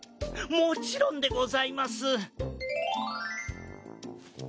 もちろんでございます。